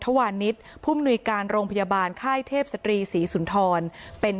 วานิสผู้มนุยการโรงพยาบาลค่ายเทพศตรีศรีสุนทรเป็น